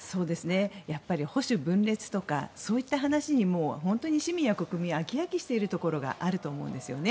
やっぱり保守分裂とかそういった話にもう、市民や国民は飽き飽きしているところがあると思うんですね。